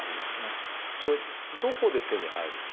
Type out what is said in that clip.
それどこで手に入る？